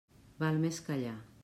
Val més callar.